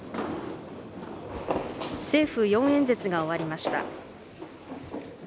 政府４演説が終わりました。